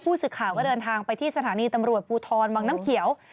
สื่อข่าวก็เดินทางไปที่สถานีตำรวจภูทรวังน้ำเขียว